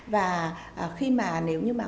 và khi mà nếu như mà